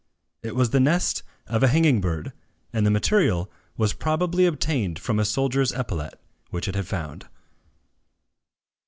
It was the nest of a hanging bird; and the material was probably obtained from a soldier's epaulet, which it had found.